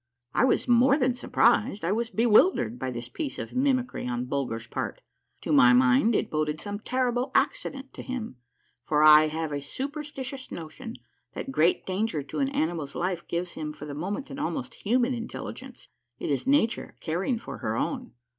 I was more than surprised ; I was bewildered by this piece of mimicry on Bulger's part. To my mind it boded some terrible accident to him, for I have a superstitious notion that great danger to an animal's life gives him for the moment an almost human intelligence. It is nature caring for her own.